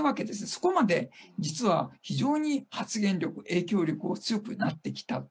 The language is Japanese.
そこまで、実は非常に発言力、影響力が強くなってきた。